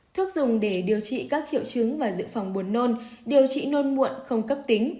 thuốc dùng để điều trị các triệu chứng và dự phòng buồn nôn điều trị nôn muộn không cấp tính